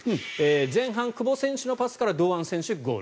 前半、久保選手のパスから堂安選手、ゴール。